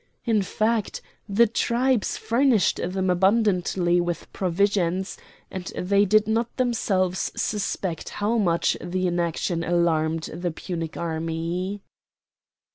In fact, the tribes furnished them abundantly with provisions, and they did not themselves suspect how much their inaction alarmed the Punic army.